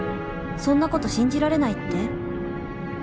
そんなこと信じられないって？